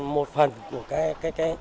một phần của cái